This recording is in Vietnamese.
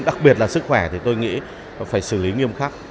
đặc biệt là sức khỏe thì tôi nghĩ nó phải xử lý nghiêm khắc